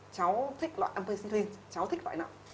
cháu thích loại ampicillin cháu thích loại nặng